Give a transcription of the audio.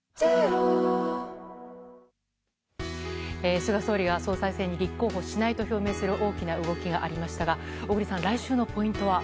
菅総理が総裁選に立候補しないと表明する大きな動きがありましたが、小栗さん、来週のポイン